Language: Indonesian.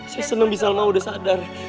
saya senang bi salma udah sadar